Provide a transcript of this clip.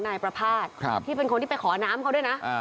นายประภาษณ์ที่เป็นคนที่ไปขอน้ำเขาด้วยนะ